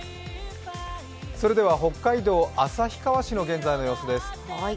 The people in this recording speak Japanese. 北海道旭川市の現在の様子です。